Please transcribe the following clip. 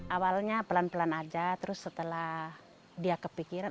awalnya pelan pelan aja terus setelah dia kepikiran